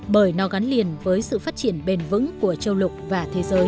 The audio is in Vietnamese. bởi nó gắn liền với sự phát triển bền vững của châu lục và thế giới